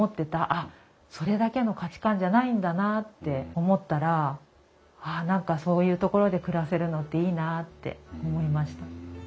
あっそれだけの価値観じゃないんだなって思ったらああ何かそういうところで暮らせるのっていいなって思いました。